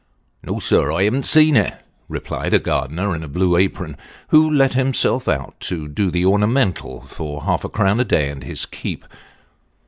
" No, sir ; I haven't seen it," replied a gardener in a blue apron, who let himself out to do the ornamental for half a crown a day and his " keep."